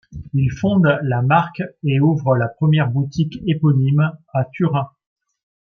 Il fonde la marque et ouvre la première boutique éponyme à Turin.